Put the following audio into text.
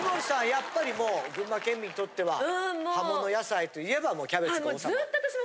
やっぱりもう群馬県民にとっては葉物野菜といえばもうキャベツが王様？